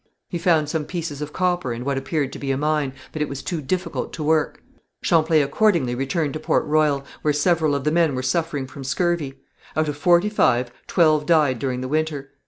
He found some pieces of copper and what appeared to be a mine, but it was too difficult to work. Champlain accordingly returned to Port Royal, where several of the men were suffering from scurvy. Out of forty five, twelve died during the winter.